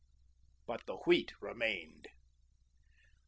BUT THE WHEAT REMAINED.